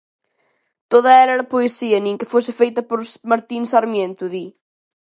"Toda ela era poesía, nin que fose feita por Martín Sarmiento", di.